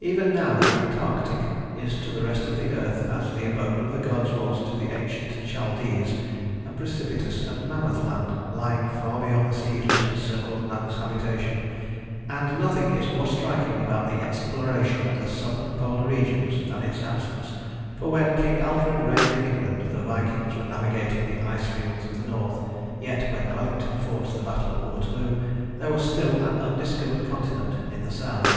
Even now the Antarctic is to the rest of the earth as the Abode of the Gods was to the ancient Chaldees, a precipitous and mammoth land lying far beyond the seas which encircled man's habitation, and nothing is more striking about the exploration of the Southern Polar regions than its absence, for when King Alfred reigned in England the Vikings were navigating the ice fields of the North; yet when Wellington fought the battle of Waterloo there was still an undiscovered continent in the South.